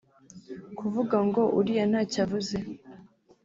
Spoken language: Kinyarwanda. kuvuga ngo uriya ntacyo avuze